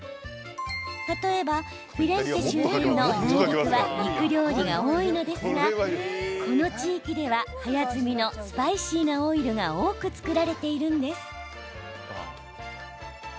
例えばフィレンツェ周辺の内陸は肉料理が多いのですがこの地域では早摘みのスパイシーなオイルが多く作られているんです。